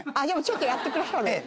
でもちょっとやってくださる？